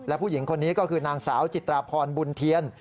และผู้หญิงคนนี้ก็คือนางสาวจิตราพรบุญเทียน